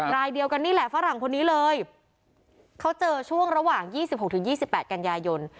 รายเดียวกันนี่แหละฝรั่งพนนี้เลยเขาเจอช่วงระหว่างยี่สิบหกถึงยี่สิบแปดกัณญายน